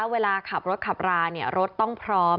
เวลาขับรถขับรารถต้องพร้อม